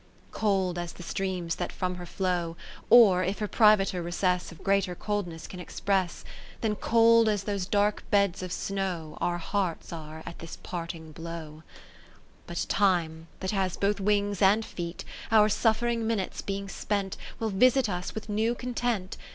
IV Cold as the streams that from her flow. Or (if her privater recess A greater coldness can express) Then cold as those dark beds of snow Our hearts are at this parting blow, ao ( 579 ) P But Time, that has both wings and feet. Our suffering minutes being spent. Will visit us with new content.